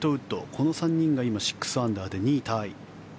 この３人が今、６アンダーで２位タイ。